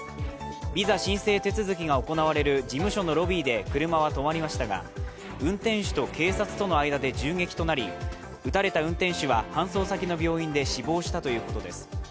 ビザ申請手続きが行われる事務所のロビーで車は止まりましたが運転手と警察との間で銃撃となり撃たれた運転手は搬送先の病院で死亡したということです。